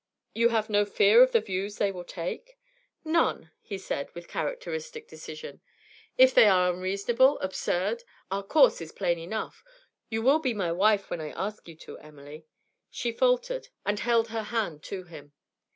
'You have no fear of the views they will take?' 'None!' he said, with characteristic decision. 'If they are unreasonable, absurd, our course is plain enough. You will be my wife when I ask you to, Emily?' She faltered, and held her hand to him.